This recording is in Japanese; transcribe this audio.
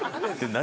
何？